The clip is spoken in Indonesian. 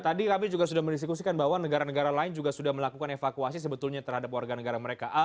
tadi kami juga sudah mendiskusikan bahwa negara negara lain juga sudah melakukan evakuasi sebetulnya terhadap warga negara mereka